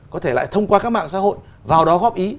có thể lại thông qua các mạng xã hội vào đó góp ý